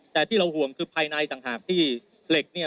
แต่ที่เราห่วงคือภายในต่างหากที่เหล็กเนี่ย